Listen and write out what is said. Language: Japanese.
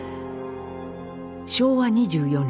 昭和２４年